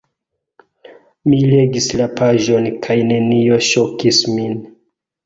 Mi legis la paĝon kaj nenio ŝokis min.